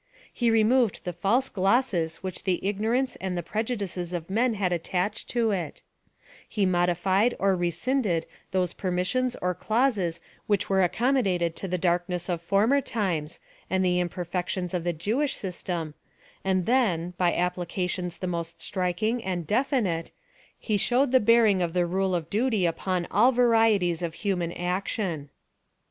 He removed the false glosses which the igno rance and the prejudices of men had attached to it — Ho modified or rescinded those permissions oi clauses which were accommodated to the darkness of former times, and the imperfections of the Jewish system, and then, by applications the most striking and definite, he shewed the bearing of the rule of duty upon all varieties of human action.